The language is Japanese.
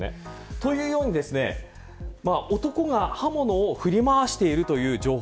というように、男が刃物を振り回しているという情報